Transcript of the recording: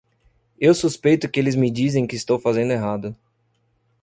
Eu suspeito que eles me dizem que estou fazendo errado.